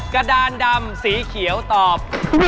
กระดานดำสีเขียวตอบ